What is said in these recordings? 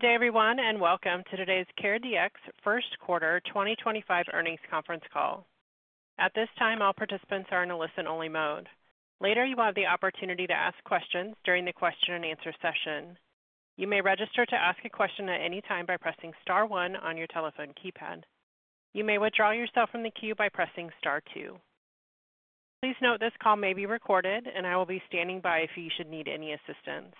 Good day, everyone, and welcome to today's CareDx First Quarter 2025 earnings conference call. At this time, all participants are in a listen-only mode. Later, you will have the opportunity to ask questions during the question-and-answer session. You may register to ask a question at any time by pressing Star one on your telephone keypad. You may withdraw yourself from the queue by pressing Star two. Please note this call may be recorded, and I will be standing by if you should need any assistance.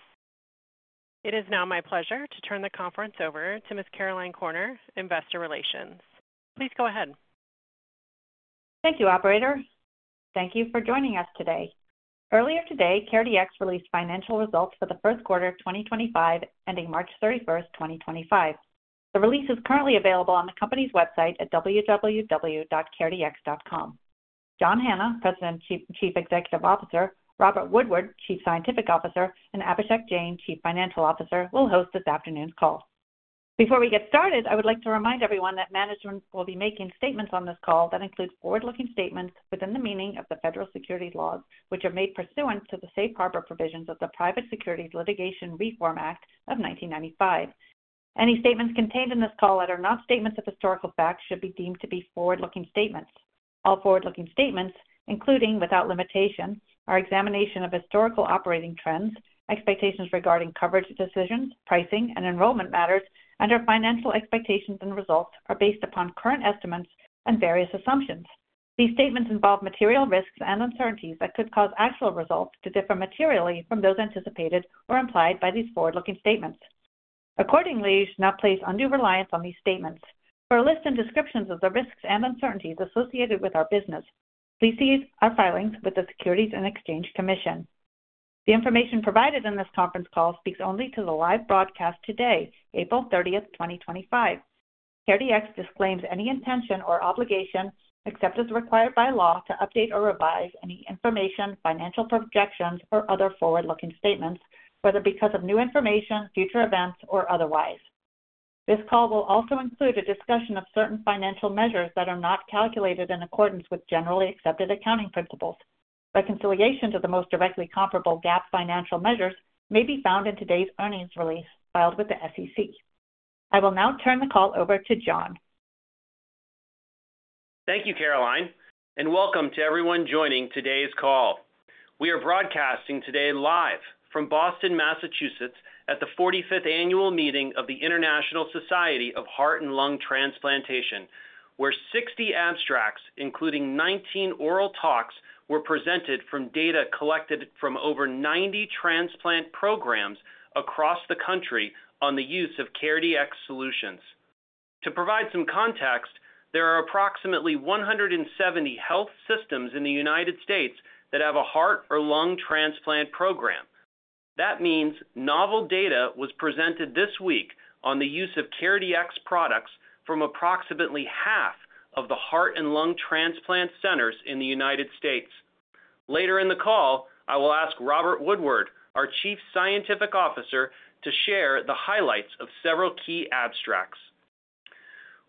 It is now my pleasure to turn the conference over to Ms. Caroline Corner, Investor Relations. Please go ahead. Thank you, Operator. Thank you for joining us today. Earlier today, CareDx released financial results for the first quarter of 2025, ending March 31, 2025. The release is currently available on the company's website at www.caredx.com. John Hanna, President and Chief Executive Officer; Robert Woodward, Chief Scientific Officer; and Abhishek Jain, Chief Financial Officer, will host this afternoon's call. Before we get started, I would like to remind everyone that management will be making statements on this call that include forward-looking statements within the meaning of the federal securities laws, which are made pursuant to the Safe Harbor Provisions of the Private Securities Litigation Reform Act of 1995. Any statements contained in this call that are not statements of historical fact should be deemed to be forward-looking statements. All forward-looking statements, including without limitation, our examination of historical operating trends, expectations regarding coverage decisions, pricing, and enrollment matters, and our financial expectations and results are based upon current estimates and various assumptions. These statements involve material risks and uncertainties that could cause actual results to differ materially from those anticipated or implied by these forward-looking statements. Accordingly, you should not place undue reliance on these statements. For a list and descriptions of the risks and uncertainties associated with our business, please see our filings with the Securities and Exchange Commission. The information provided in this conference call speaks only to the live broadcast today, April 30, 2025. CareDx disclaims any intention or obligation, except as required by law, to update or revise any information, financial projections, or other forward-looking statements, whether because of new information, future events, or otherwise. This call will also include a discussion of certain financial measures that are not calculated in accordance with generally accepted accounting principles. Reconciliation to the most directly comparable GAAP financial measures may be found in today's earnings release filed with the SEC. I will now turn the call over to John. Thank you, Caroline, and welcome to everyone joining today's call. We are broadcasting today live from Boston, Massachusetts, at the 45th Annual Meeting of the International Society of Heart and Lung Transplantation, where 60 abstracts, including 19 oral talks, were presented from data collected from over 90 transplant programs across the country on the use of CareDx solutions. To provide some context, there are approximately 170 health systems in the United States that have a heart or lung transplant program. That means novel data was presented this week on the use of CareDx products from approximately half of the heart and lung transplant centers in the United States. Later in the call, I will ask Robert Woodward, our Chief Scientific Officer, to share the highlights of several key abstracts.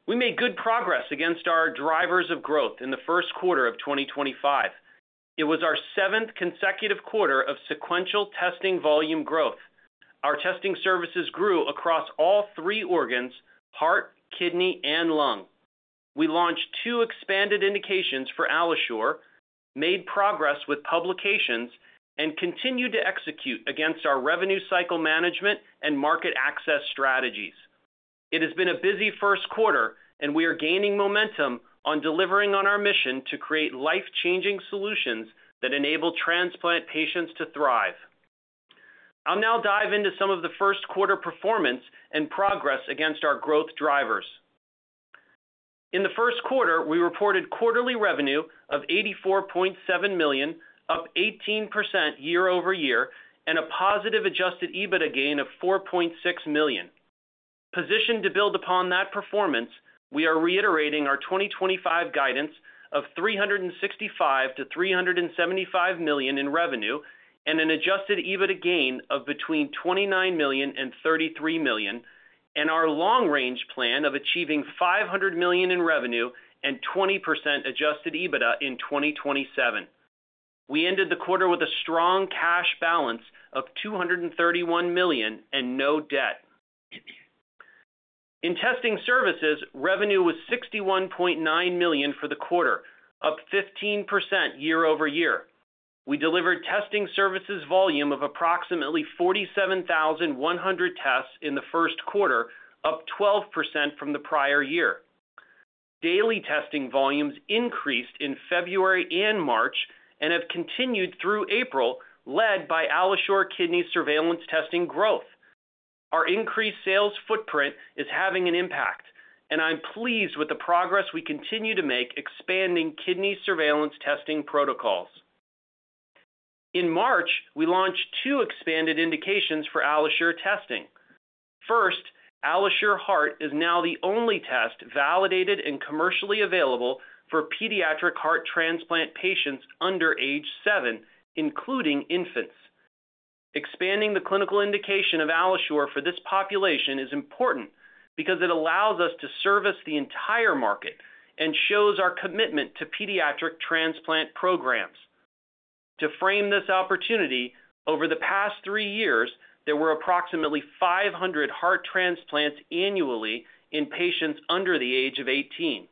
We made good progress against our drivers of growth in the first quarter of 2025. It was our seventh consecutive quarter of sequential testing volume growth. Our testing services grew across all three organs: heart, kidney, and lung. We launched two expanded indications for AlloSure, made progress with publications, and continued to execute against our revenue cycle management and market access strategies. It has been a busy first quarter, and we are gaining momentum on delivering on our mission to create life-changing solutions that enable transplant patients to thrive. I'll now dive into some of the first quarter performance and progress against our growth drivers. In the first quarter, we reported quarterly revenue of $84.7 million, up 18% year over year, and a positive adjusted EBITDA gain of $4.6 million. Positioned to build upon that performance, we are reiterating our 2025 guidance of $365 million-$375 million in revenue and an adjusted EBITDA gain of between $29 million and $33 million, and our long-range plan of achieving $500 million in revenue and 20% adjusted EBITDA in 2027. We ended the quarter with a strong cash balance of $231 million and no debt. In testing services, revenue was $61.9 million for the quarter, up 15% year over year. We delivered testing services volume of approximately 47,100 tests in the first quarter, up 12% from the prior year. Daily testing volumes increased in February and March and have continued through April, led by AlloSure Kidney surveillance testing growth. Our increased sales footprint is having an impact, and I'm pleased with the progress we continue to make expanding kidney surveillance testing protocols. In March, we launched two expanded indications for AlloSure testing. First, AlloSure Heart is now the only test validated and commercially available for pediatric heart transplant patients under age seven, including infants. Expanding the clinical indication of AlloSure for this population is important because it allows us to service the entire market and shows our commitment to pediatric transplant programs. To frame this opportunity, over the past three years, there were approximately 500 heart transplants annually in patients under the age of 18.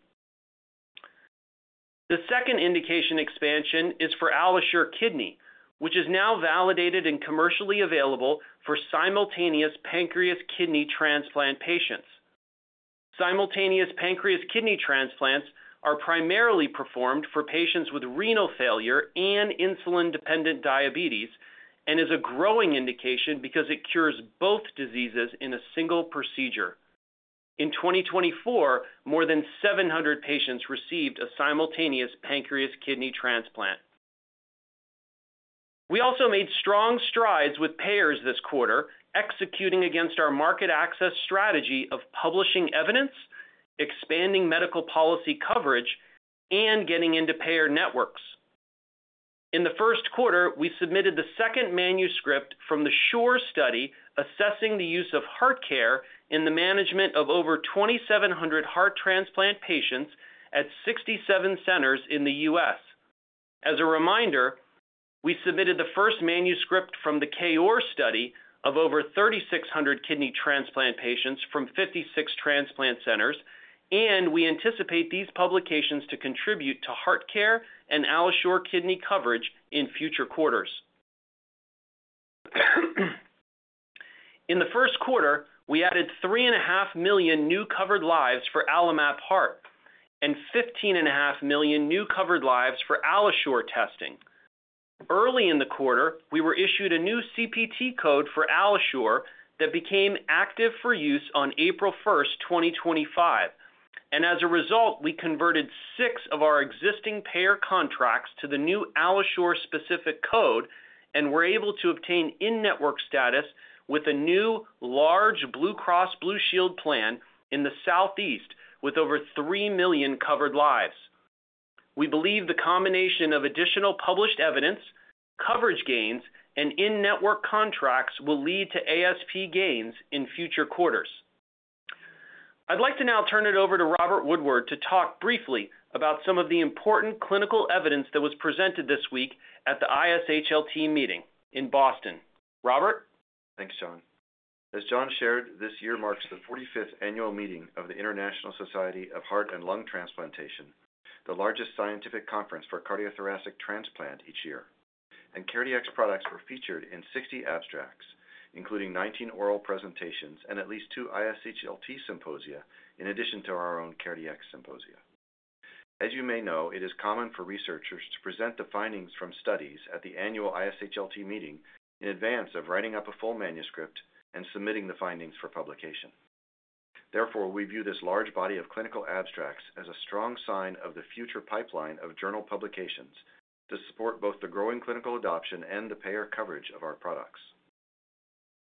The second indication expansion is for AlloSure Kidney, which is now validated and commercially available for simultaneous pancreas kidney transplant patients. Simultaneous pancreas kidney transplants are primarily performed for patients with renal failure and insulin-dependent diabetes and is a growing indication because it cures both diseases in a single procedure. In 2024, more than 700 patients received a simultaneous pancreas kidney transplant. We also made strong strides with payers this quarter, executing against our market access strategy of publishing evidence, expanding medical policy coverage, and getting into payer networks. In the first quarter, we submitted the second manuscript from the SHORE study assessing the use of HeartCare in the management of over 2,700 heart transplant patients at 67 centers in the U.S. As a reminder, we submitted the first manuscript from the KOAR study of over 3,600 kidney transplant patients from 56 transplant centers, and we anticipate these publications to contribute to HeartCare and AlloSure Kidney coverage in future quarters. In the first quarter, we added 3.5 million new covered lives for AlloMap Heart and 15.5 million new covered lives for AlloSure testing. Early in the quarter, we were issued a new CPT code for AlloSure that became active for use on April 1, 2025, and as a result, we converted six of our existing payer contracts to the new AlloSure-specific code and were able to obtain in-network status with a new large Blue Cross Blue Shield plan in the Southeast with over 3 million covered lives. We believe the combination of additional published evidence, coverage gains, and in-network contracts will lead to ASP gains in future quarters. I'd like to now turn it over to Robert Woodward to talk briefly about some of the important clinical evidence that was presented this week at the ISHLT meeting in Boston. Robert? Thanks, John. As John shared, this year marks the 45th Annual Meeting of the International Society of Heart and Lung Transplantation, the largest scientific conference for cardiothoracic transplant each year, and CareDx products were featured in 60 abstracts, including 19 oral presentations and at least two ISHLT symposia, in addition to our own CareDx symposia. As you may know, it is common for researchers to present the findings from studies at the annual ISHLT meeting in advance of writing up a full manuscript and submitting the findings for publication. Therefore, we view this large body of clinical abstracts as a strong sign of the future pipeline of journal publications to support both the growing clinical adoption and the payer coverage of our products.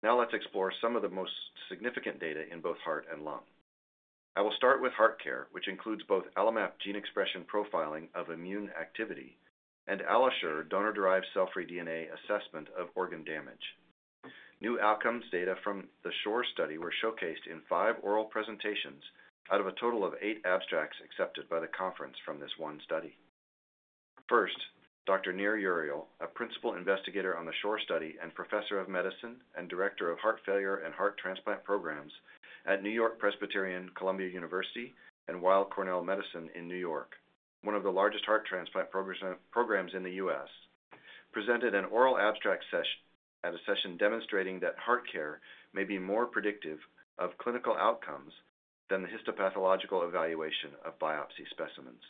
Now let's explore some of the most significant data in both heart and lung. I will start with HeartCare, which includes both AlloMap gene expression profiling of immune activity and AlloSure donor-derived cell-free DNA assessment of organ damage. New outcomes data from the SHORE study were showcased in five oral presentations out of a total of eight abstracts accepted by the conference from this one study. First, Dr. Nir Uriel, a principal investigator on the SHORE study and Professor of Medicine and Director of heart failure and heart transplant programs at New York Presbyterian/Columbia University and Weill Cornell Medicine in New York, one of the largest heart transplant programs in the U.S., presented an oral abstract at a session demonstrating that HeartCare may be more predictive of clinical outcomes than the histopathological evaluation of biopsy specimens.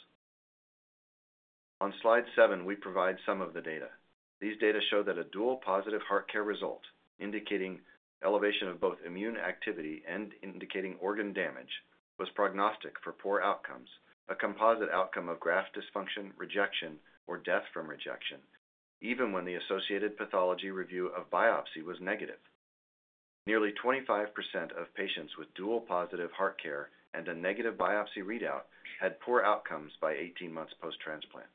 On slide seven, we provide some of the data. These data show that a dual positive HeartCare result, indicating elevation of both immune activity and indicating organ damage, was prognostic for poor outcomes, a composite outcome of graft dysfunction, rejection, or death from rejection, even when the associated pathology review of biopsy was negative. Nearly 25% of patients with dual positive HeartCare and a negative biopsy readout had poor outcomes by 18 months post-transplant.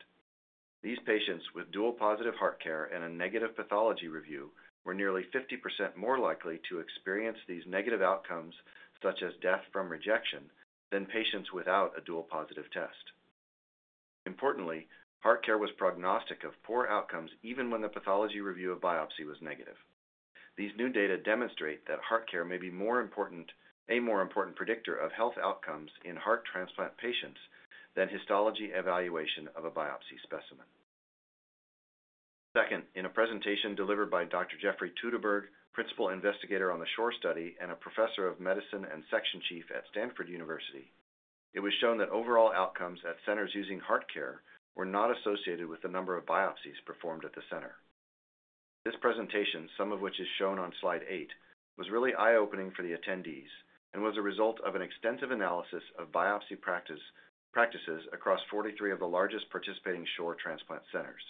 These patients with dual positive HeartCare and a negative pathology review were nearly 50% more likely to experience these negative outcomes, such as death from rejection, than patients without a dual positive test. Importantly, HeartCare was prognostic of poor outcomes even when the pathology review of biopsy was negative. These new data demonstrate that HeartCare may be a more important predictor of health outcomes in heart transplant patients than histology evaluation of a biopsy specimen. Second, in a presentation delivered by Dr. Jeffrey Teuteberg, principal investigator on the SHORE study and a professor of medicine and Section Chief at Stanford University, it was shown that overall outcomes at centers using HeartCare were not associated with the number of biopsies performed at the center. This presentation, some of which is shown on slide eight, was really eye-opening for the attendees and was a result of an extensive analysis of biopsy practices across 43 of the largest participating SHORE transplant centers.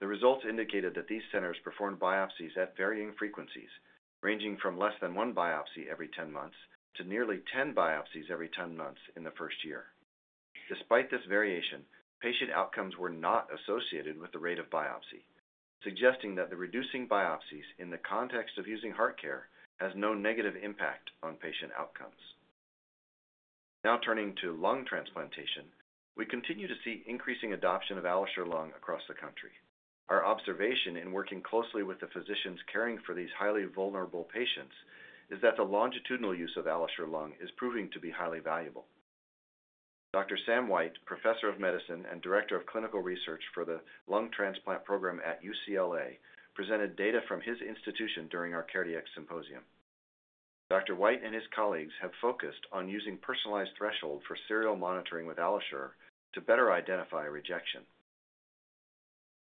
The results indicated that these centers performed biopsies at varying frequencies, ranging from less than one biopsy every 10 months to nearly 10 biopsies every 10 months in the first year. Despite this variation, patient outcomes were not associated with the rate of biopsy, suggesting that reducing biopsies in the context of using HeartCare has no negative impact on patient outcomes. Now turning to lung transplantation, we continue to see increasing adoption of AlloSure Lung across the country. Our observation in working closely with the physicians caring for these highly vulnerable patients is that the longitudinal use of AlloSure Lung is proving to be highly valuable. Dr. Sam Weigt, Professor of Medicine and Director of Clinical Research for the lung transplant program at UCLA, presented data from his institution during our CareDx symposium. Dr. Weigt and his colleagues have focused on using personalized thresholds for serial monitoring with AlloSure to better identify rejection.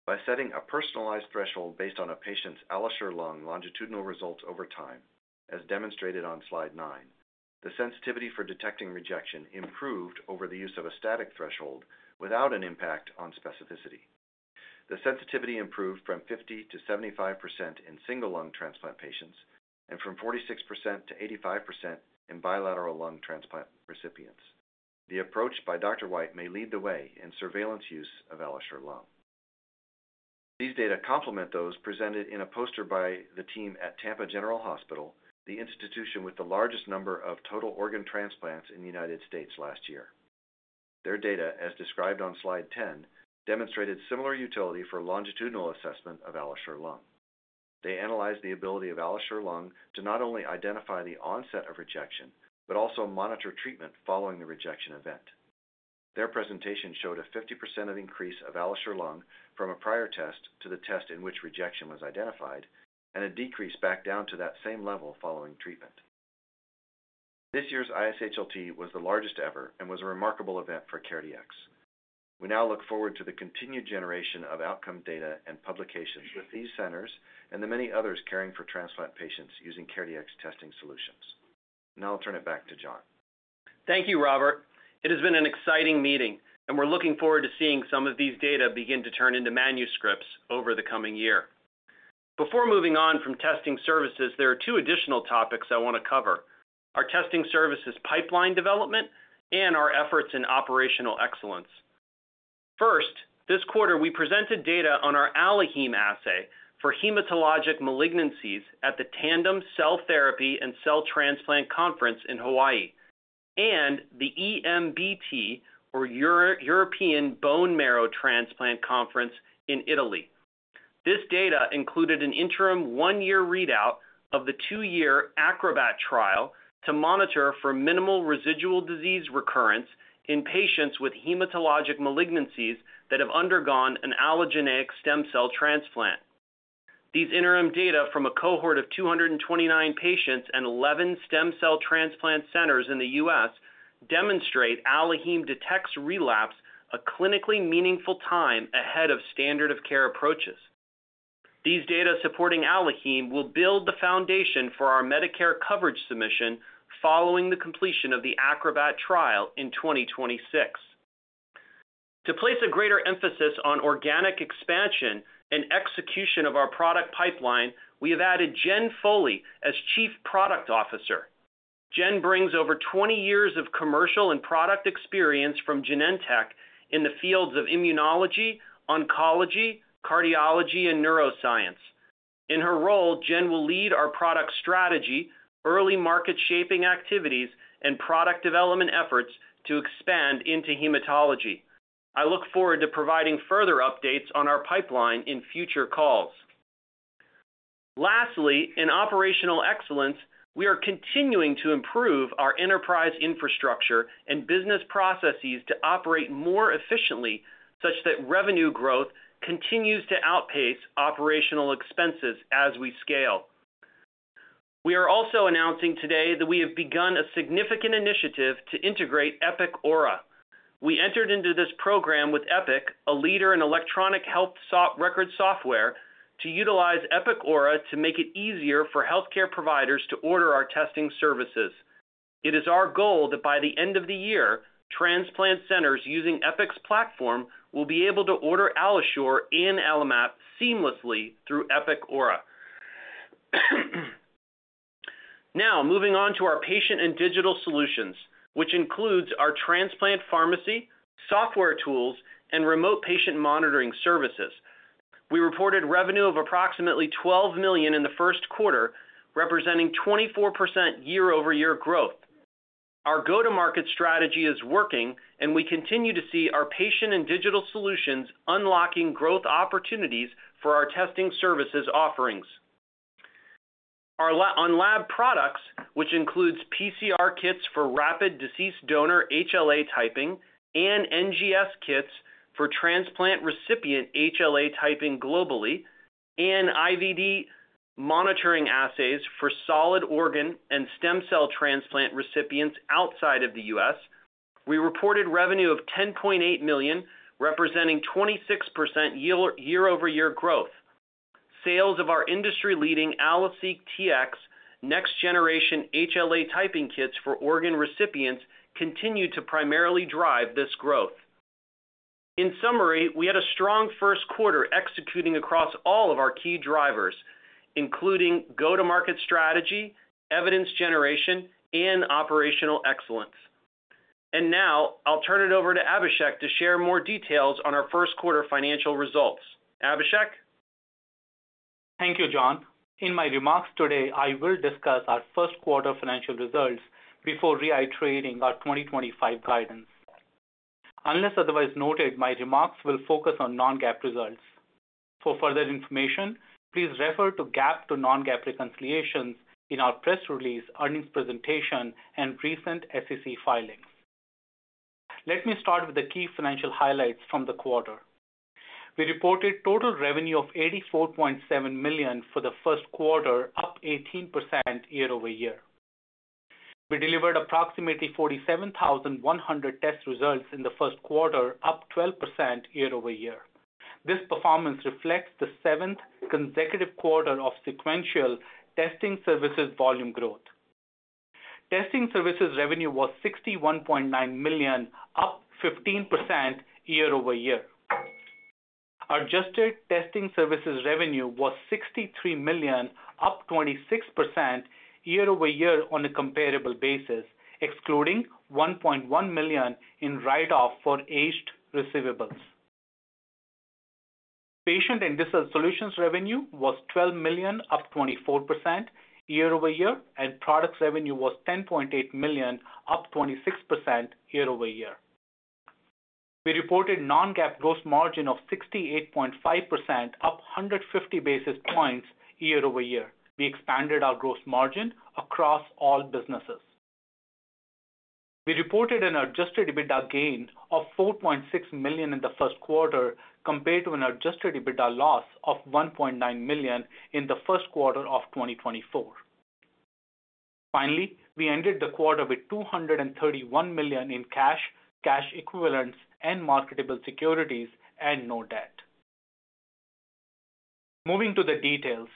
By setting a personalized threshold based on a patient's AlloSure Lung longitudinal results over time, as demonstrated on slide nine, the sensitivity for detecting rejection improved over the use of a static threshold without an impact on specificity. The sensitivity improved from 50% to 75% in single lung transplant patients and from 46% to 85% in bilateral lung transplant recipients. The approach by Dr. Weigt may lead the way in surveillance use of AlloSure Lung. These data complement those presented in a poster by the team at Tampa General Hospital, the institution with the largest number of total organ transplants in the United States last year. Their data, as described on slide 10, demonstrated similar utility for longitudinal assessment of AlloSure Lung. They analyzed the ability of AlloSure Lung to not only identify the onset of rejection but also monitor treatment following the rejection event. Their presentation showed a 50% increase of AlloSure Lung from a prior test to the test in which rejection was identified and a decrease back down to that same level following treatment. This year's ISHLT was the largest ever and was a remarkable event for CareDx. We now look forward to the continued generation of outcome data and publications with these centers and the many others caring for transplant patients using CareDx testing solutions. Now I'll turn it back to John. Thank you, Robert. It has been an exciting meeting, and we're looking forward to seeing some of these data begin to turn into manuscripts over the coming year. Before moving on from testing services, there are two additional topics I want to cover: our testing services pipeline development and our efforts in operational excellence. First, this quarter, we presented data on our AlloHeme assay for hematologic malignancies at the Tandem Cell Therapy and Cell Transplant Conference in Hawaii and the EBMT, or European Bone Marrow Transplant Conference, in Italy. This data included an interim one-year readout of the two-year ACROBAT trial to monitor for minimal residual disease recurrence in patients with hematologic malignancies that have undergone an allogeneic stem cell transplant. These interim data from a cohort of 229 patients and 11 stem cell transplant centers in the U.S. demonstrate AlloHeme detects relapse a clinically meaningful time ahead of standard of care approaches. These data supporting AlloHeme will build the foundation for our Medicare coverage submission following the completion of the ACROBAT trial in 2026. To place a greater emphasis on organic expansion and execution of our product pipeline, we have added Jen Foley as Chief Product Officer. Jen brings over 20 years of commercial and product experience from Genentech in the fields of immunology, oncology, cardiology, and neuroscience. In her role, Jen will lead our product strategy, early market shaping activities, and product development efforts to expand into hematology. I look forward to providing further updates on our pipeline in future calls. Lastly, in operational excellence, we are continuing to improve our enterprise infrastructure and business processes to operate more efficiently such that revenue growth continues to outpace operational expenses as we scale. We are also announcing today that we have begun a significant initiative to integrate Epic Aura. We entered into this program with Epic, a leader in electronic health record software, to utilize Epic Aura to make it easier for healthcare providers to order our testing services. It is our goal that by the end of the year, transplant centers using Epic's platform will be able to order AlloSure and AlloMap seamlessly through Epic Aura. Now moving on to our patient and digital solutions, which includes our transplant pharmacy, software tools, and remote patient monitoring services. We reported revenue of approximately $12 million in the first quarter, representing 24% year-over-year growth. Our go-to-market strategy is working, and we continue to see our patient and digital solutions unlocking growth opportunities for our testing services offerings. On lab products, which includes PCR kits for rapid deceased donor HLA typing and NGS kits for transplant recipient HLA typing globally and IVD monitoring assays for solid organ and stem cell transplant recipients outside of the U.S., we reported revenue of $10.8 million, representing 26% year-over-year growth. Sales of our industry-leading AlloSeq Tx next-generation HLA typing kits for organ recipients continue to primarily drive this growth. In summary, we had a strong first quarter executing across all of our key drivers, including go-to-market strategy, evidence generation, and operational excellence. I will now turn it over to Abhishek to share more details on our first quarter financial results. Abhishek? Thank you, John. In my remarks today, I will discuss our first quarter financial results before reiterating our 2025 guidance. Unless otherwise noted, my remarks will focus on non-GAAP results. For further information, please refer to GAAP to non-GAAP reconciliations in our press release, earnings presentation, and recent SEC filings. Let me start with the key financial highlights from the quarter. We reported total revenue of $84.7 million for the first quarter, up 18% year-over-year. We delivered approximately 47,100 test results in the first quarter, up 12% year-over-year. This performance reflects the seventh consecutive quarter of sequential testing services volume growth. Testing services revenue was $61.9 million, up 15% year-over-year. Our adjusted testing services revenue was $63 million, up 26% year-over-year on a comparable basis, excluding $1.1 million in write-off for aged receivables. Patient and digital solutions revenue was $12 million, up 24% year-over-year, and product revenue was $10.8 million, up 26% year-over-year. We reported non-GAAP gross margin of 68.5%, up 150 basis points year-over-year. We expanded our gross margin across all businesses. We reported an adjusted EBITDA gain of $4.6 million in the first quarter compared to an adjusted EBITDA loss of $1.9 million in the first quarter of 2024. Finally, we ended the quarter with $231 million in cash, cash equivalents, and marketable securities, and no debt. Moving to the details,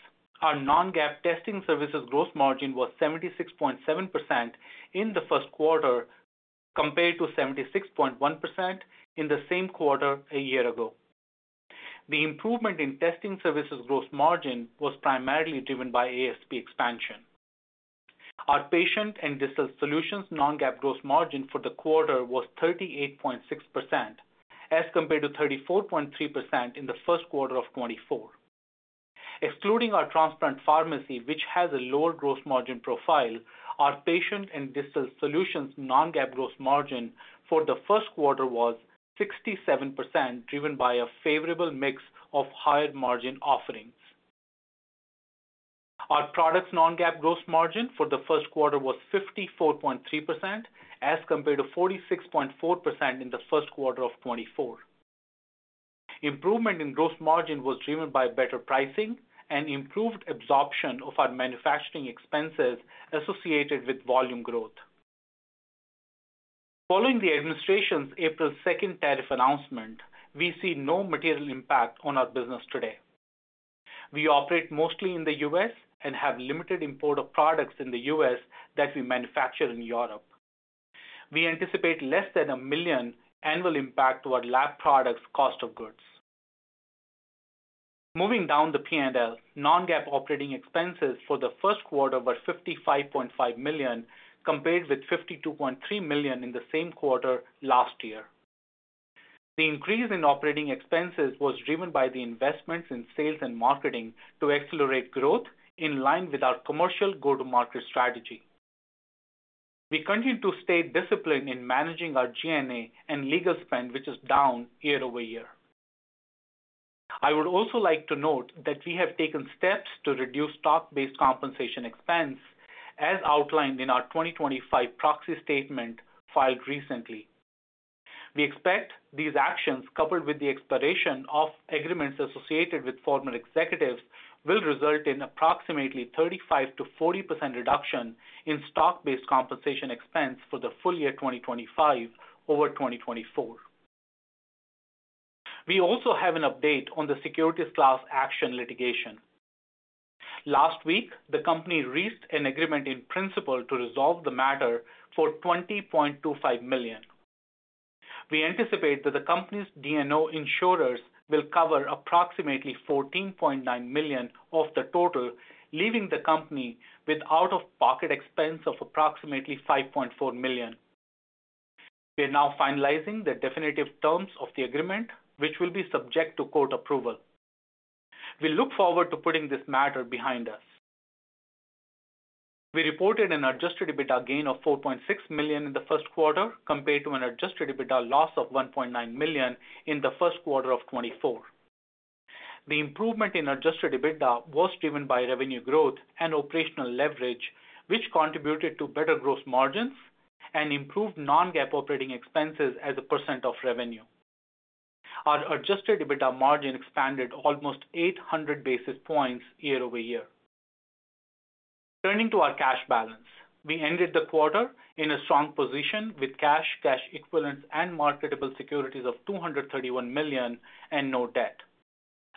our non-GAAP testing services gross margin was 76.7% in the first quarter compared to 76.1% in the same quarter a year ago. The improvement in testing services gross margin was primarily driven by ASP expansion. Our patient and digital solutions non-GAAP gross margin for the quarter was 38.6% as compared to 34.3% in the first quarter of 2024. Excluding our transplant pharmacy, which has a lower gross margin profile, our patient and digital solutions non-GAAP gross margin for the first quarter was 67%, driven by a favorable mix of higher margin offerings. Our product's non-GAAP gross margin for the first quarter was 54.3% as compared to 46.4% in the first quarter of 2024. Improvement in gross margin was driven by better pricing and improved absorption of our manufacturing expenses associated with volume growth. Following the administration's April 2nd tariff announcement, we see no material impact on our business today. We operate mostly in the U.S. and have limited import of products in the U.S. that we manufacture in Europe. We anticipate less than $1 million annual impact to our lab products' cost of goods. Moving down the P&L, non-GAAP operating expenses for the first quarter were $55.5 million compared with $52.3 million in the same quarter last year. The increase in operating expenses was driven by the investments in sales and marketing to accelerate growth in line with our commercial go-to-market strategy. We continue to stay disciplined in managing our G&A and legal spend, which is down year-over-year. I would also like to note that we have taken steps to reduce stock-based compensation expense, as outlined in our 2025 proxy statement filed recently. We expect these actions, coupled with the expiration of agreements associated with former executives, will result in approximately 35%-40% reduction in stock-based compensation expense for the full year 2025 over 2024. We also have an update on the securities class action litigation. Last week, the company reached an agreement in principle to resolve the matter for $20.25 million. We anticipate that the company's D&O insurers will cover approximately $14.9 million of the total, leaving the company with out-of-pocket expense of approximately $5.4 million. We are now finalizing the definitive terms of the agreement, which will be subject to court approval. We look forward to putting this matter behind us. We reported an adjusted EBITDA gain of $4.6 million in the first quarter compared to an adjusted EBITDA loss of $1.9 million in the first quarter of 2024. The improvement in adjusted EBITDA was driven by revenue growth and operational leverage, which contributed to better gross margins and improved non-GAAP operating expenses as a percent of revenue. Our adjusted EBITDA margin expanded almost 800 basis points year-over-year. Turning to our cash balance, we ended the quarter in a strong position with cash, cash equivalents, and marketable securities of $231 million and no debt,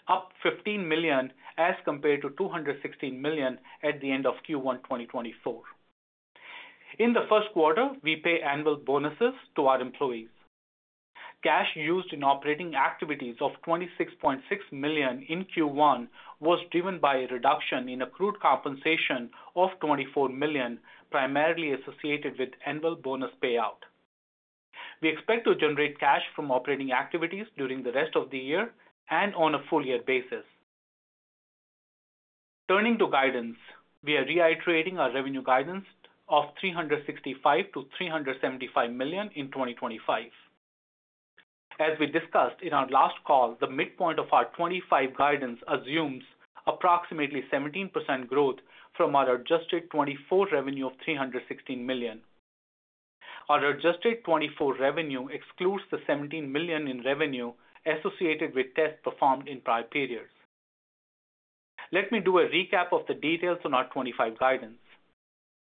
up $15 million as compared to $216 million at the end of Q1 2024. In the first quarter, we paid annual bonuses to our employees. Cash used in operating activities of $26.6 million in Q1 was driven by a reduction in accrued compensation of $24 million, primarily associated with annual bonus payout. We expect to generate cash from operating activities during the rest of the year and on a full-year basis. Turning to guidance, we are reiterating our revenue guidance of $365 million-$375 million in 2025. As we discussed in our last call, the midpoint of our 2025 guidance assumes approximately 17% growth from our adjusted 2024 revenue of $316 million. Our adjusted 2024 revenue excludes the $17 million in revenue associated with tests performed in prior periods. Let me do a recap of the details on our 2025 guidance.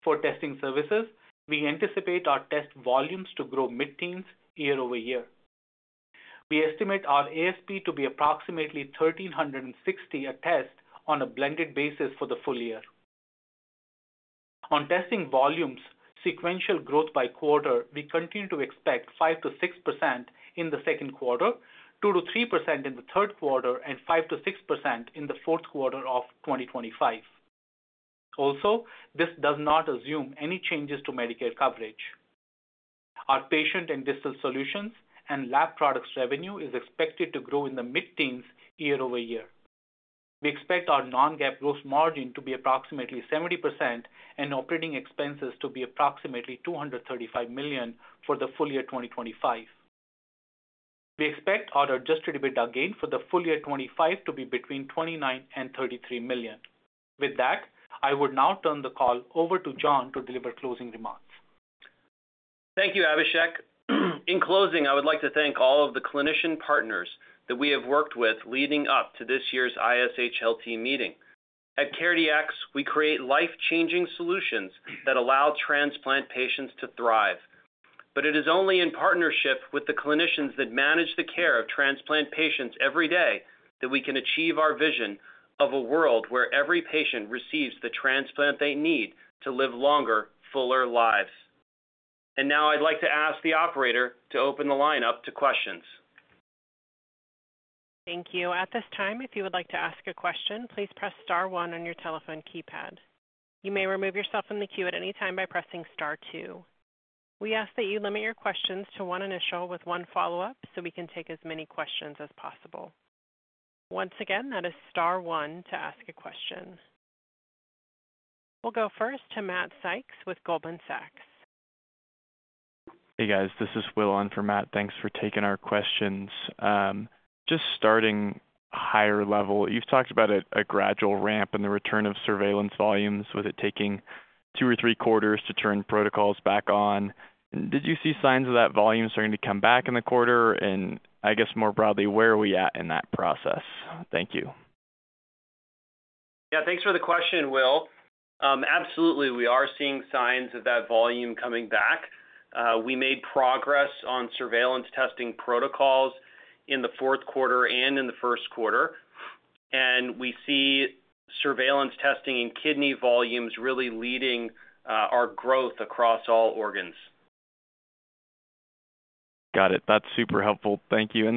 For testing services, we anticipate our test volumes to grow mid-teens year-over-year. We estimate our ASP to be approximately $1,360 a test on a blended basis for the full year. On testing volumes, sequential growth by quarter, we continue to expect 5%-6% in the second quarter, 2%-3% in the third quarter, and 5%-6% in the fourth quarter of 2025. Also, this does not assume any changes to Medicare coverage. Our patient and digital solutions and lab products revenue is expected to grow in the mid-teens year-over-year. We expect our non-GAAP gross margin to be approximately 70% and operating expenses to be approximately $235 million for the full year 2025. We expect our adjusted EBITDA gain for the full year 2025 to be between $29 million and $33 million. With that, I would now turn the call over to John to deliver closing remarks. Thank you, Abhishek. In closing, I would like to thank all of the clinician partners that we have worked with leading up to this year's ISHLT meeting. At CareDx, we create life-changing solutions that allow transplant patients to thrive. It is only in partnership with the clinicians that manage the care of transplant patients every day that we can achieve our vision of a world where every patient receives the transplant they need to live longer, fuller lives. Now I'd like to ask the operator to open the line up to questions. Thank you. At this time, if you would like to ask a question, please press star one on your telephone keypad. You may remove yourself from the queue at any time by pressing star two. We ask that you limit your questions to one initial with one follow-up so we can take as many questions as possible. Once again, that is star one to ask a question. We'll go first to Matt Sykes with Goldman Sachs. Hey, guys. This is Will on for Matt. Thanks for taking our questions. Just starting higher level, you've talked about a gradual ramp in the return of surveillance volumes. Was it taking two or three quarters to turn protocols back on? Did you see signs of that volume starting to come back in the quarter? I guess more broadly, where are we at in that process? Thank you. Yeah, thanks for the question, Will. Absolutely, we are seeing signs of that volume coming back. We made progress on surveillance testing protocols in the fourth quarter and in the first quarter. We see surveillance testing in kidney volumes really leading our growth across all organs. Got it. That's super helpful. Thank you.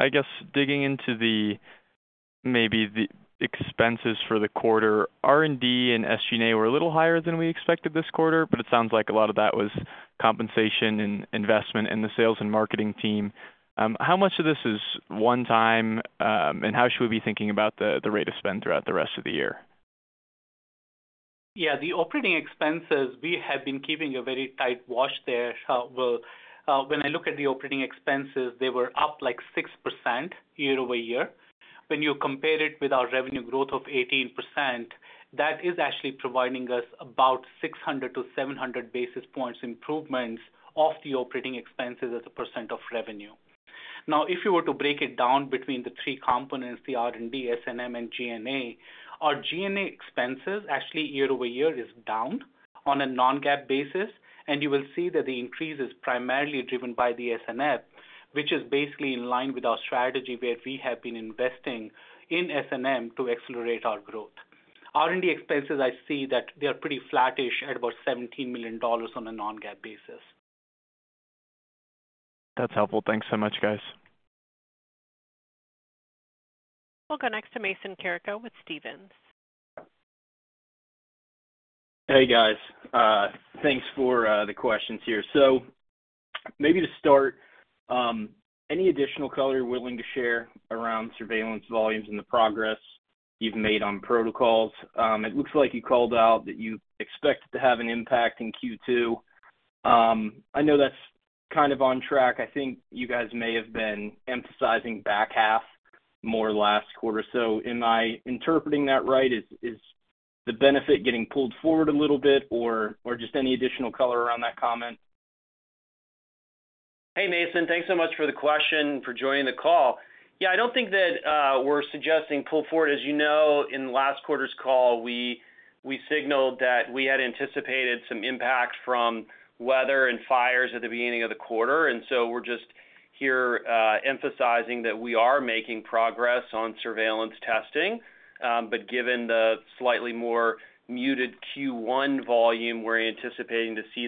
I guess digging into maybe the expenses for the quarter, R&D and SG&A were a little higher than we expected this quarter, but it sounds like a lot of that was compensation and investment in the sales and marketing team. How much of this is one-time, and how should we be thinking about the rate of spend throughout the rest of the year? Yeah, the operating expenses, we have been keeping a very tight watch there. When I look at the operating expenses, they were up like 6% year-over-year. When you compare it with our revenue growth of 18%, that is actually providing us about 600-700 basis points improvements of the operating expenses as a percent of revenue. Now, if you were to break it down between the three components, the R&D, S&M, and G&A, our G&A expenses actually year-over-year is down on a non-GAAP basis. You will see that the increase is primarily driven by the S&M, which is basically in line with our strategy where we have been investing in S&M to accelerate our growth. R&D expenses, I see that they are pretty flattish at about $17 million on a non-GAAP basis. That's helpful. Thanks so much, guys. We'll go next to Mason Carrico with Stevens. Hey, guys. Thanks for the questions here. Maybe to start, any additional color you're willing to share around surveillance volumes and the progress you've made on protocols? It looks like you called out that you expect to have an impact in Q2. I know that's kind of on track. I think you guys may have been emphasizing back half more last quarter. Am I interpreting that right? Is the benefit getting pulled forward a little bit, or just any additional color around that comment? Hey, Mason. Thanks so much for the question and for joining the call. Yeah, I don't think that we're suggesting pull forward. As you know, in last quarter's call, we signaled that we had anticipated some impact from weather and fires at the beginning of the quarter. We're just here emphasizing that we are making progress on surveillance testing. Given the slightly more muted Q1 volume, we're anticipating to see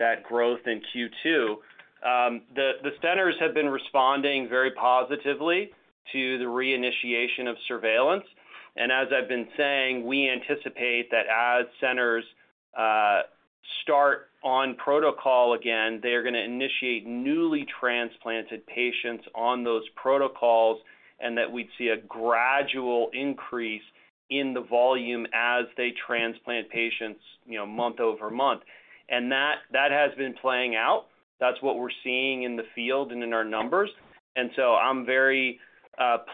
that growth in Q2. The centers have been responding very positively to the reinitiation of surveillance. As I've been saying, we anticipate that as centers start on protocol again, they are going to initiate newly transplanted patients on those protocols and that we'd see a gradual increase in the volume as they transplant patients month over month. That has been playing out. That's what we're seeing in the field and in our numbers. I am very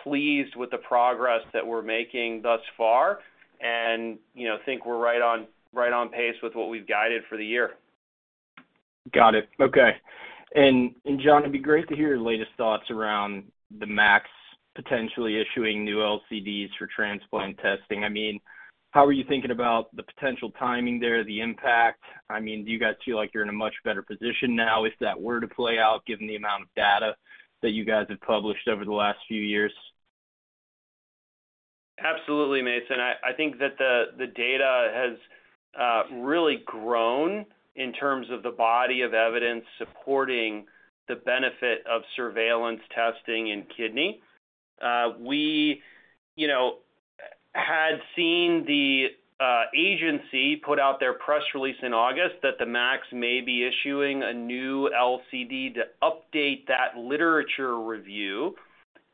pleased with the progress that we're making thus far and think we're right on pace with what we've guided for the year. Got it. Okay. John, it'd be great to hear your latest thoughts around the MACs potentially issuing new LCDs for transplant testing. I mean, how are you thinking about the potential timing there, the impact? I mean, do you guys feel like you're in a much better position now if that were to play out given the amount of data that you guys have published over the last few years? Absolutely, Mason. I think that the data has really grown in terms of the body of evidence supporting the benefit of surveillance testing in kidney. We had seen the agency put out their press release in August that the MACs may be issuing a new LCD to update that literature review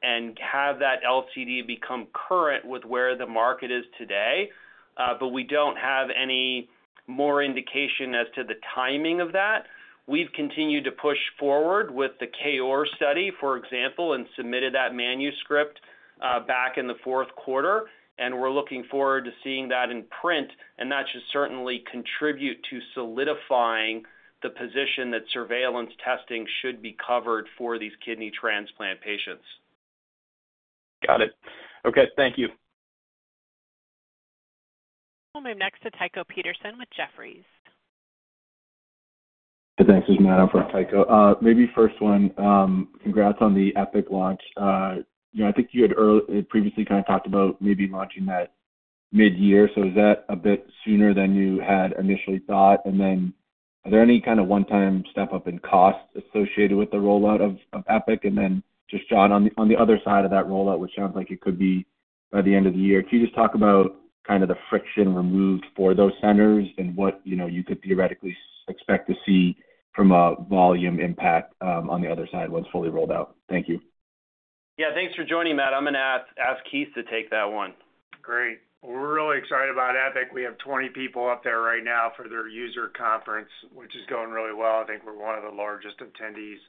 and have that LCD become current with where the market is today. We don't have any more indication as to the timing of that. We've continued to push forward with the KOAR study, for example, and submitted that manuscript back in the fourth quarter. We are looking forward to seeing that in print. That should certainly contribute to solidifying the position that surveillance testing should be covered for these kidney transplant patients. Got it. Okay. Thank you. We'll move next to Tycho Peterson with Jefferies. Thanks, Matt, for Tycho. Maybe first one, congrats on the Epic launch. I think you had previously kind of talked about maybe launching that mid-year. Is that a bit sooner than you had initially thought? Are there any kind of one-time step up in cost associated with the rollout of Epic? Just John, on the other side of that rollout, which sounds like it could be by the end of the year, can you just talk about kind of the friction removed for those centers and what you could theoretically expect to see from a volume impact on the other side once fully rolled out? Thank you. Yeah. Thanks for joining, Matt. I'm going to ask Keith to take that one. Great. We're really excited about Epic. We have 20 people up there right now for their user conference, which is going really well. I think we're one of the largest attendees.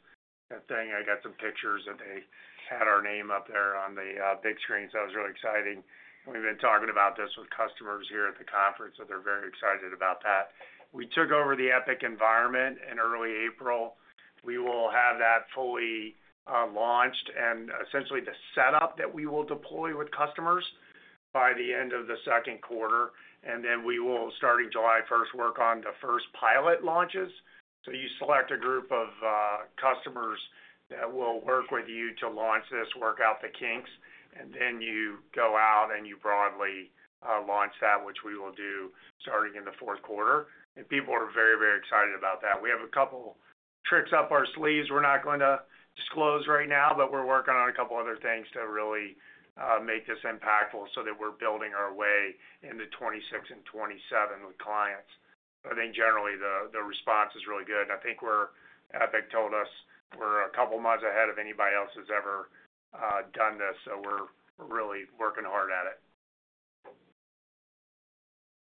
I think I got some pictures that they had our name up there on the big screen. That was really exciting. We've been talking about this with customers here at the conference that they're very excited about that. We took over the Epic environment in early April. We will have that fully launched and essentially the setup that we will deploy with customers by the end of the second quarter. We will, starting July 1, work on the first pilot launches. You select a group of customers that will work with you to launch this, work out the kinks, and then you go out and you broadly launch that, which we will do starting in the fourth quarter. People are very, very excited about that. We have a couple tricks up our sleeves we're not going to disclose right now, but we're working on a couple other things to really make this impactful so that we're building our way into 2026 and 2027 with clients. I think generally the response is really good. I think Epic told us we're a couple months ahead of anybody else who's ever done this. We're really working hard at it.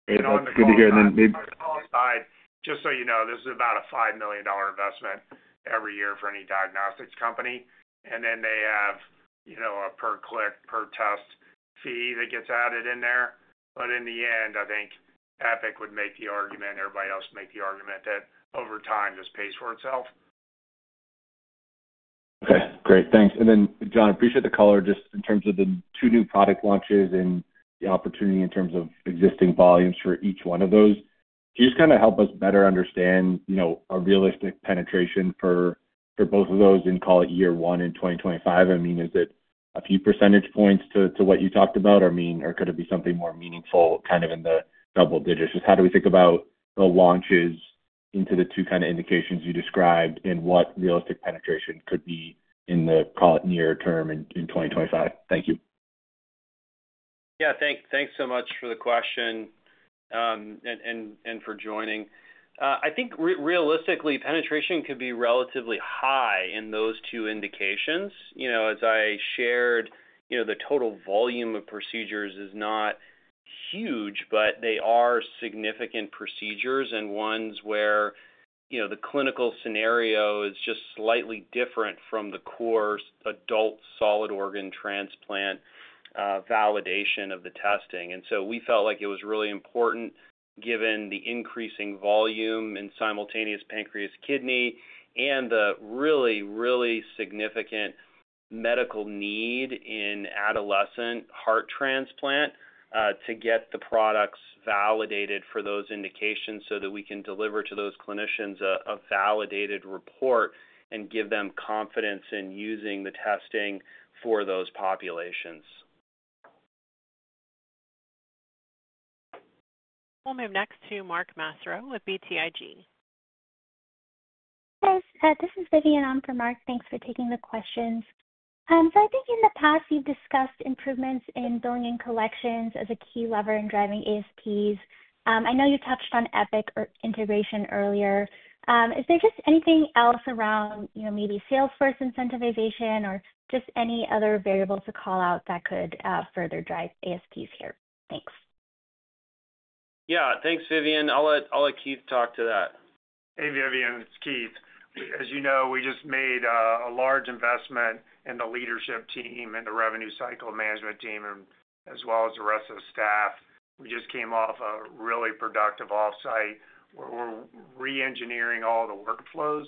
That's good to hear. Maybe. On the side, just so you know, this is about a $5 million investment every year for any diagnostics company. They have a per-click, per-test fee that gets added in there. In the end, I think Epic would make the argument, everybody else would make the argument that over time this pays for itself. Okay. Great. Thanks. John, I appreciate the color just in terms of the two new product launches and the opportunity in terms of existing volumes for each one of those. Can you just kind of help us better understand a realistic penetration for both of those in, call it, year one in 2025? I mean, is it a few percentage points to what you talked about? I mean, or could it be something more meaningful kind of in the double digits? Just how do we think about the launches into the two kind of indications you described and what realistic penetration could be in the, call it, near term in 2025? Thank you. Yeah. Thanks so much for the question and for joining. I think realistically, penetration could be relatively high in those two indications. As I shared, the total volume of procedures is not huge, but they are significant procedures and ones where the clinical scenario is just slightly different from the core adult solid organ transplant validation of the testing. We felt like it was really important given the increasing volume in simultaneous pancreas-kidney and the really, really significant medical need in adolescent heart transplant to get the products validated for those indications so that we can deliver to those clinicians a validated report and give them confidence in using the testing for those populations. We'll move next to Mark Massaro with BTIG. Hey, guys. This is Vivian on for Mark. Thanks for taking the questions. I think in the past, you've discussed improvements in billing and collections as a key lever in driving ASPs. I know you touched on Epic integration earlier. Is there just anything else around maybe Salesforce incentivization or just any other variables to call out that could further drive ASPs here? Thanks. Yeah. Thanks, Vivian. I'll let Keith talk to that. Hey, Vivian. It's Keith. As you know, we just made a large investment in the leadership team and the revenue cycle management team as well as the rest of the staff. We just came off a really productive off-site. We're re-engineering all the workflows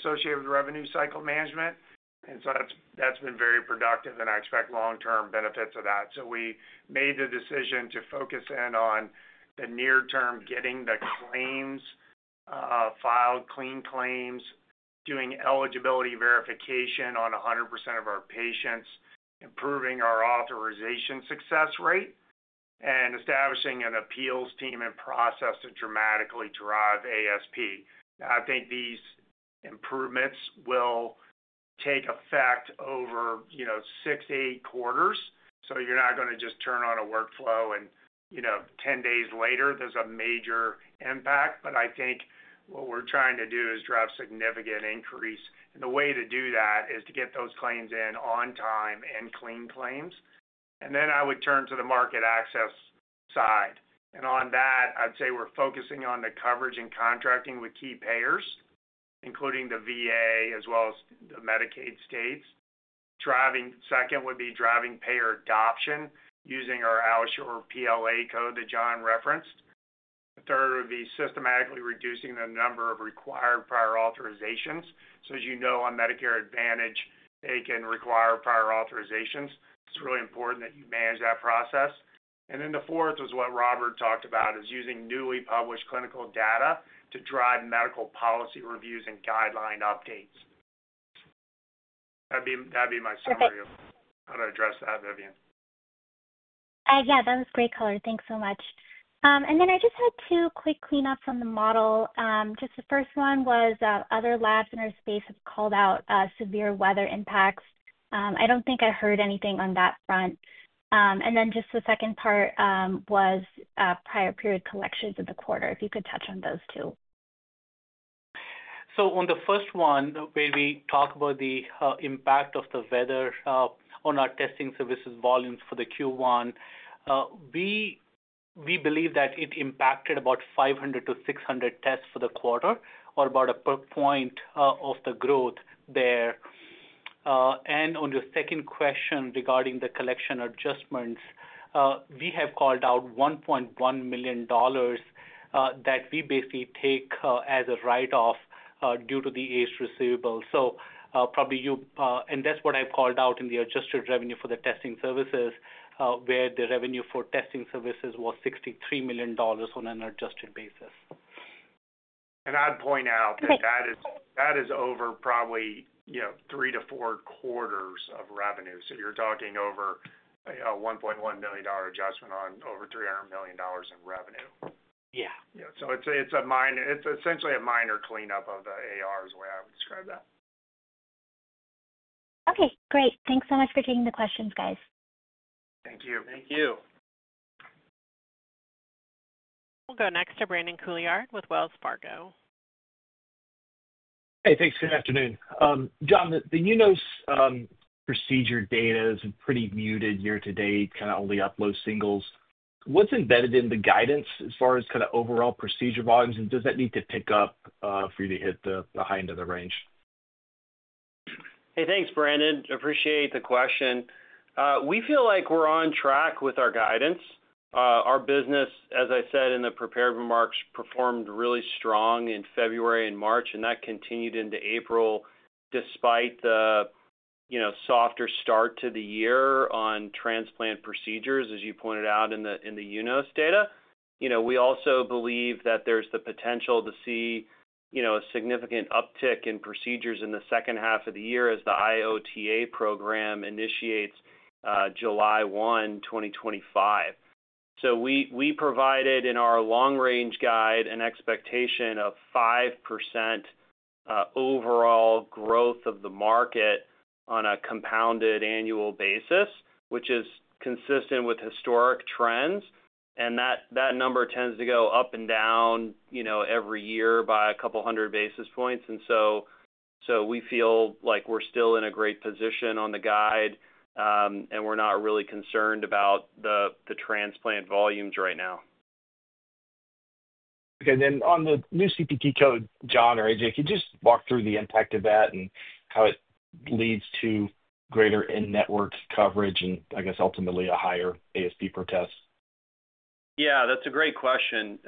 associated with revenue cycle management. That has been very productive, and I expect long-term benefits of that. We made the decision to focus in on the near-term, getting the claims filed, clean claims, doing eligibility verification on 100% of our patients, improving our authorization success rate, and establishing an appeals team and process to dramatically drive ASP. I think these improvements will take effect over six to eight quarters. You're not going to just turn on a workflow and 10 days later, there's a major impact. I think what we're trying to do is drive significant increase. The way to do that is to get those claims in on time and clean claims. I would turn to the market access side. On that, I'd say we're focusing on the coverage and contracting with key payers, including the VA as well as the Medicaid states. Second would be driving payer adoption using our AlloSure PLA code that John referenced. The third would be systematically reducing the number of required prior authorizations. As you know, on Medicare Advantage, they can require prior authorizations. It's really important that you manage that process. The fourth was what Robert talked about, using newly published clinical data to drive medical policy reviews and guideline updates. That'd be my summary of how to address that, Vivian. Yeah. That was great, color. Thanks so much. I just had two quick cleanups on the model. The first one was other labs in our space have called out severe weather impacts. I do not think I heard anything on that front. The second part was prior period collections of the quarter, if you could touch on those two. On the first one, where we talk about the impact of the weather on our testing services volumes for Q1, we believe that it impacted about 500-600 tests for the quarter or about a percentage point of the growth there. On your second question regarding the collection adjustments, we have called out $1.1 million that we basically take as a write-off due to the ACE receivable. Probably you and that's what I've called out in the adjusted revenue for the testing services, where the revenue for testing services was $63 million on an adjusted basis. I'd point out that that is over probably three to four quarters of revenue. So you're talking over a $1.1 million adjustment on over $300 million in revenue. Yeah. Yeah. So it's essentially a minor cleanup of the AR is the way I would describe that. Okay. Great. Thanks so much for taking the questions, guys. Thank you. Thank you. We'll go next to Brandon Couillard with Wells Fargo. Hey, thanks. Good afternoon. John, the UNOS procedure data is pretty muted year to date, kind of only upload singles. What's embedded in the guidance as far as kind of overall procedure volumes? Does that need to pick up for you to hit the high end of the range? Hey, thanks, Brandon. Appreciate the question. We feel like we're on track with our guidance. Our business, as I said in the prepared remarks, performed really strong in February and March, and that continued into April despite the softer start to the year on transplant procedures, as you pointed out in the UNOS data. We also believe that there's the potential to see a significant uptick in procedures in the second half of the year as the IOTA program initiates July 1, 2025. We provided in our long-range guide an expectation of 5% overall growth of the market on a compounded annual basis, which is consistent with historic trends. That number tends to go up and down every year by a couple hundred basis points. We feel like we're still in a great position on the guide, and we're not really concerned about the transplant volumes right now. Okay. On the new CPT code, John or AJ, can you just walk through the impact of that and how it leads to greater in-network coverage and, I guess, ultimately a higher ASP per test? Yeah. That's a great question.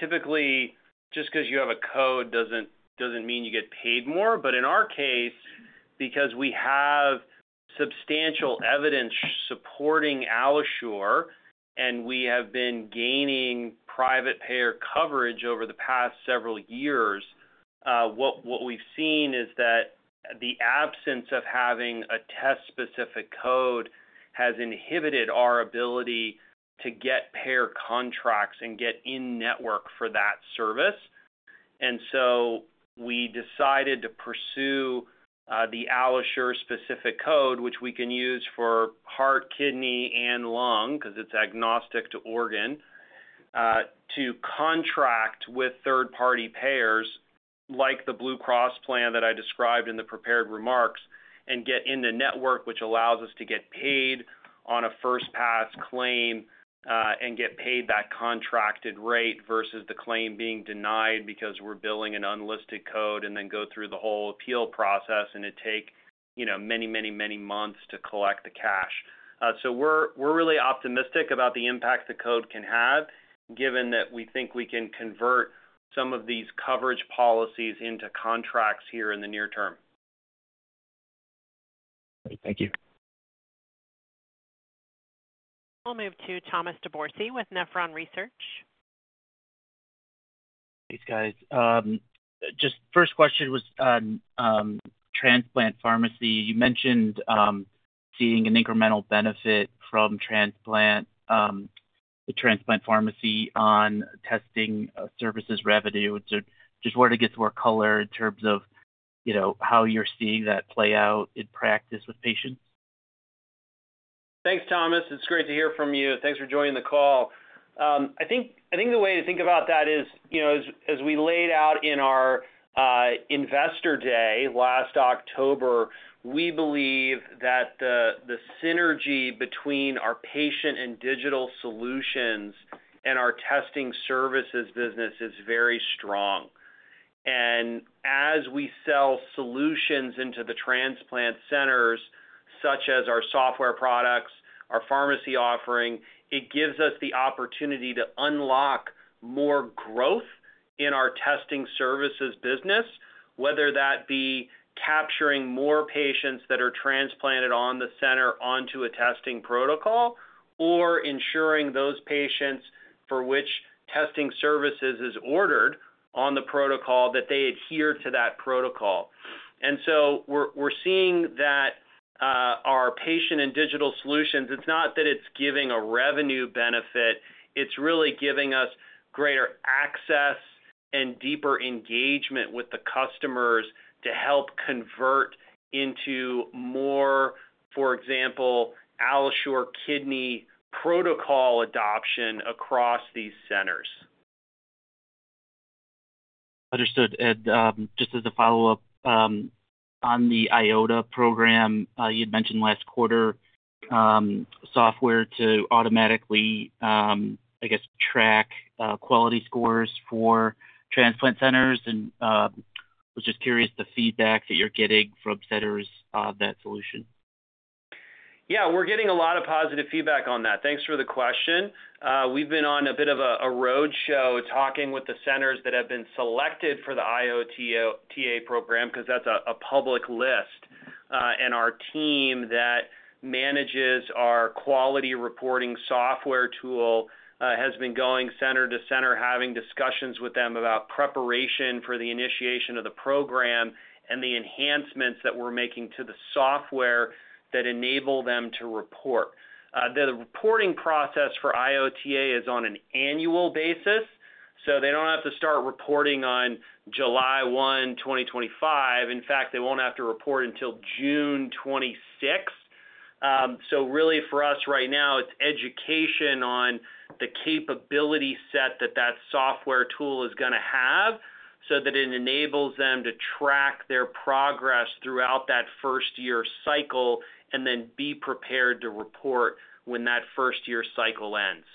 Typically, just because you have a code doesn't mean you get paid more. In our case, because we have substantial evidence supporting AlloSure and we have been gaining private payer coverage over the past several years, what we've seen is that the absence of having a test-specific code has inhibited our ability to get payer contracts and get in-network for that service. We decided to pursue the AlloSure-specific code, which we can use for heart, kidney, and lung because it's agnostic to organ, to contract with third-party payers like the Blue Cross plan that I described in the prepared remarks and get in the network, which allows us to get paid on a first-pass claim and get paid that contracted rate versus the claim being denied because we're billing an unlisted code and then go through the whole appeal process, and it takes many, many, many months to collect the cash. We are really optimistic about the impact the code can have, given that we think we can convert some of these coverage policies into contracts here in the near term. Great. Thank you. We'll move to Thomas DeBourcy with Nephron Research. Hey, guys. Just first question was on transplant pharmacy. You mentioned seeing an incremental benefit from the transplant pharmacy on testing services revenue. Just wanted to get some more color in terms of how you're seeing that play out in practice with patients. Thanks, Thomas. It's great to hear from you. Thanks for joining the call. I think the way to think about that is, as we laid out in our investor day last October, we believe that the synergy between our patient and digital solutions and our testing services business is very strong. As we sell solutions into the transplant centers, such as our software products, our pharmacy offering, it gives us the opportunity to unlock more growth in our testing services business, whether that be capturing more patients that are transplanted on the center onto a testing protocol or ensuring those patients for which testing services is ordered on the protocol that they adhere to that protocol. We're seeing that our patient and digital solutions, it's not that it's giving a revenue benefit. It's really giving us greater access and deeper engagement with the customers to help convert into more, for example, AlloSure Kidney protocol adoption across these centers. Understood. Just as a follow-up on the IOTA program, you'd mentioned last quarter software to automatically, I guess, track quality scores for transplant centers. I was just curious the feedback that you're getting from centers of that solution. Yeah. We're getting a lot of positive feedback on that. Thanks for the question. We've been on a bit of a roadshow talking with the centers that have been selected for the IOTA program because that's a public list. Our team that manages our quality reporting software tool has been going center to center, having discussions with them about preparation for the initiation of the program and the enhancements that we're making to the software that enable them to report. The reporting process for IOTA is on an annual basis, so they don't have to start reporting on July 1, 2025. In fact, they won't have to report until June 26th. Really, for us right now, it's education on the capability set that that software tool is going to have so that it enables them to track their progress throughout that first-year cycle and then be prepared to report when that first-year cycle ends.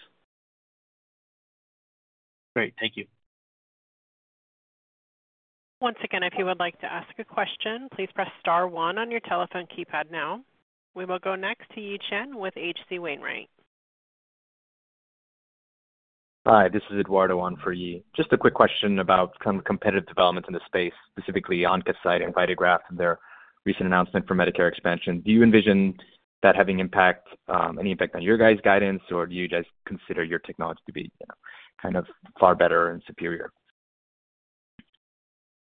Great. Thank you. Once again, if you would like to ask a question, please press star one on your telephone keypad now. We will go next to Yi Chen with H.C. Wainwright. Hi. This is Eduardo on for Yi. Just a quick question about some competitive developments in the space, specifically OncoCyte and VitaGraft and their recent announcement for Medicare expansion. Do you envision that having any impact on your guys' guidance, or do you just consider your technology to be kind of far better and superior?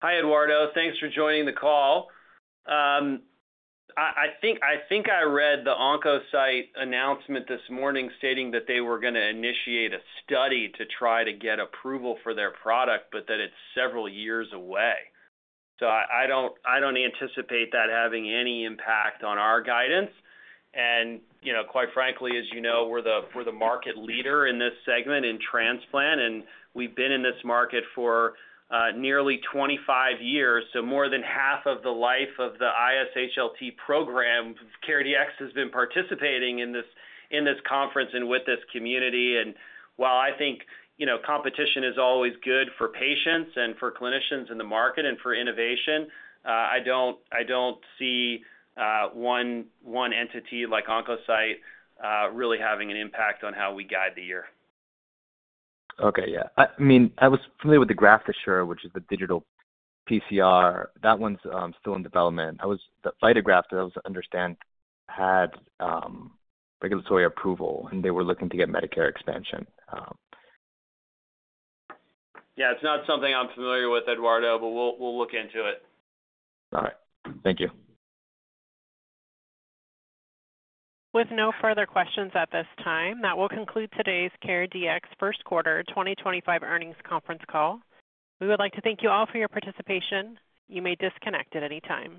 Hi, Eduardo. Thanks for joining the call. I think I read the OncoCyte announcement this morning stating that they were going to initiate a study to try to get approval for their product, but that it's several years away. I don't anticipate that having any impact on our guidance. Quite frankly, as you know, we're the market leader in this segment in transplant, and we've been in this market for nearly 25 years. More than half of the life of the ISHLT program, CareDx has been participating in this conference and with this community. While I think competition is always good for patients and for clinicians in the market and for innovation, I don't see one entity like OncoCyte really having an impact on how we guide the year. Okay. Yeah. I mean, I was familiar with the GraftAssure, which is the digital PCR. That one's still in development. The VitaGraft, that I was understand, had regulatory approval, and they were looking to get Medicare expansion. Yeah. It's not something I'm familiar with, Eduardo, but we'll look into it. All right. Thank you. With no further questions at this time, that will conclude today's CareDx first quarter 2025 earnings conference call. We would like to thank you all for your participation. You may disconnect at any time.